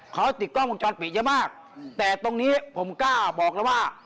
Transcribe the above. เขาติดกล้องวงจรปิดเยอะมากแต่ตรงนี้ผมกล้าบอกแล้วว่า